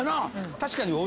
確かに。